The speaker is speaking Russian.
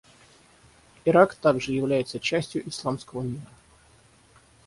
Ирак также является частью исламского мира.